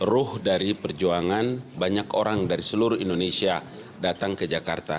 ruh dari perjuangan banyak orang dari seluruh indonesia datang ke jakarta